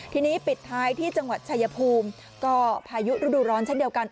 ทีนี้ปิดท้ายที่จังหวัดชายภูมิก็พายุฤดูร้อนเช่นเดียวกัน